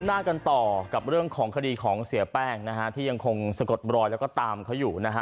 หน้ากันต่อกับเรื่องของคดีของเสียแป้งนะฮะที่ยังคงสะกดรอยแล้วก็ตามเขาอยู่นะฮะ